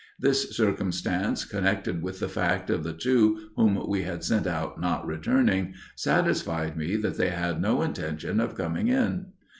This circumstance, connected with the fact of the two whom we had sent out not returning, satisfied me that they had no intention of coming in.